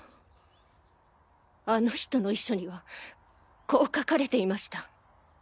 あの人の遺書にはこう書かれていました。